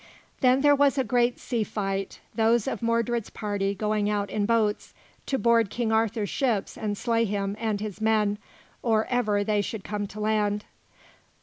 Then there was a great sea fight, those of Mordred's party going out in boats, to board King Arthur's ships and slay him and his men or ever they should come to land.